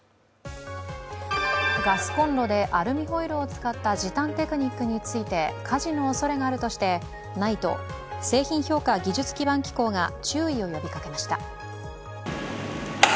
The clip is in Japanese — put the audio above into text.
ガスコンロでアルミホイルを使った時短テクニックについて、火事のおそれがあるとしてＮＩＴＥ＝製品評価技術基盤機構が注意を呼びかけました。